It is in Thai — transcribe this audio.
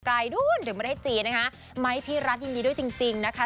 นู้นถึงประเทศจีนนะคะไมค์พี่รัฐยินดีด้วยจริงจริงนะคะ